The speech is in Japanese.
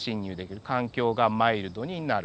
環境がマイルドになる。